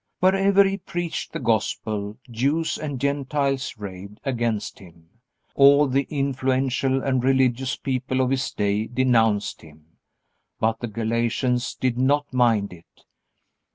Wherever he preached the Gospel, Jews and Gentiles raved against him. All the influential and religious people of his day denounced him. But the Galatians did not mind it.